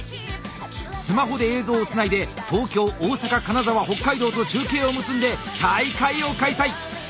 スマホで映像をつないで東京大阪金沢北海道と中継を結んで大会を開催！